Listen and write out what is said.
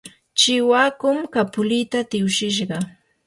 chiwakum kapulita tiwshishqa.